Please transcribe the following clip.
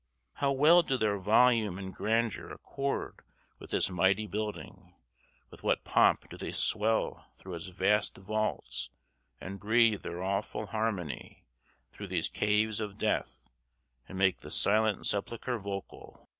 How well do their volume and grandeur accord with this mighty building! With what pomp do they swell through its vast vaults, and breathe their awful harmony through these caves of death, and make the silent sepulchre vocal!